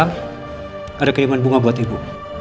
bu elsa ada kiriman bunga buat ibu